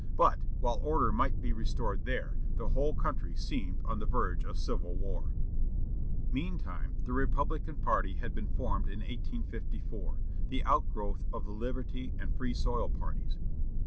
But, while order might be restored there, the whole country seemed on the verge of civil war. Meantime the Republican party had been formed in 1854, the outgrowth of the "Liberty" and "Free Soil" parties.